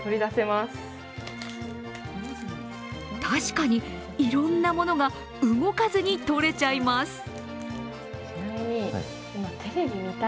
確かにいろんなものが動かずにとれちゃいます。